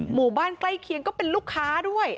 หมู่บ้านใกล้เคียงก็เป็นลูกค้าด้วย